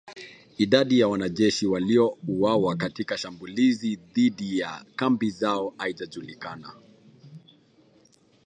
Idadi ya wanajeshi waliouawa katika shambulizi dhidi ya kambi zao haijajulikana